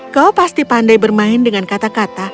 kau pasti pandai bermain dengan kata kata